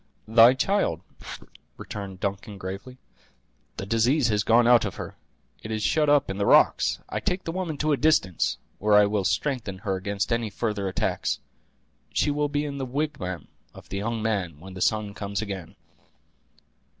"Thy child," returned Duncan, gravely; "the disease has gone out of her; it is shut up in the rocks. I take the woman to a distance, where I will strengthen her against any further attacks. She will be in the wigwam of the young man when the sun comes again."